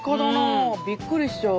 うんびっくりしちゃう。